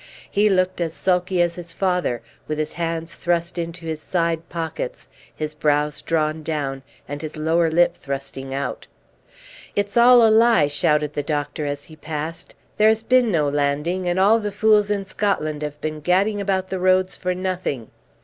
He looked as sulky as his father, with his hands thrust into his side pockets, his brows drawn down, and his lower lip thrusting out. "It's all a lie!" shouted the doctor as he passed. "There has been no landing, and all the fools in Scotland have been gadding about the roads for nothing."